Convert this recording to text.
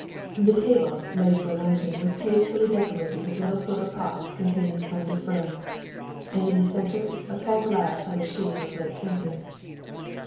The table laid for luncheon was tastefully decorated with little silver pots containing slender ferns, and in the centre a tall glass held a sheaf of late campions.